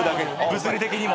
物理的にも。